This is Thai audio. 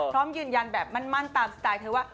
พร้อมยืนยันแบบมั่นตามสไตล์เธอว่า